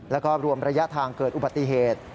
แล้วก็รวมระยะทางเกิดอุบัติเหตุ